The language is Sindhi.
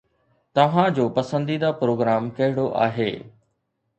توهان جو پسنديده پروگرام ڪهڙو آهي؟